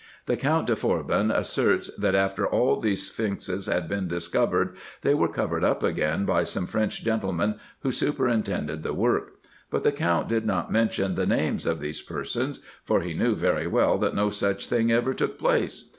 The Count de Forbin asserts, that after all these sphynxes had been discovered they were covered up again by some French gentlemen who super intended the work. But the Count did not mention the names of those persons, for he knew very well that no such thing ever took place.